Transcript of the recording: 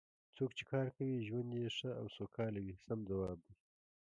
څوک چې کار کوي ژوند یې ښه او سوکاله وي سم ځواب دی.